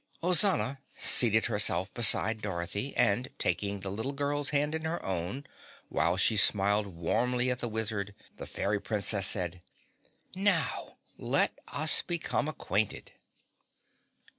Ozana seated herself beside Dorothy and taking the little girl's hand in her own, while she smiled warmly at the Wizard, the Fairy Princess said, "Now, let us become acquainted."